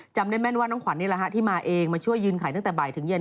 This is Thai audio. จำได้แม่นว่าน้องขวัญนี่แหละฮะที่มาเองมาช่วยยืนขายตั้งแต่บ่ายถึงเย็น